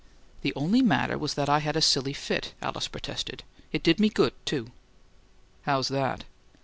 "The only matter was I had a silly fit," Alice protested. "It did me good, too." "How's that?"